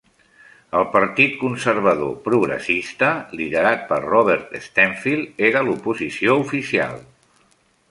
El Partit Conservador Progressista, liderat per Robert Stanfield, era l'oposició oficial.